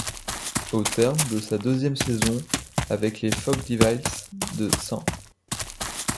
Au terme de sa deuxième saison avec les Fog Devils de St.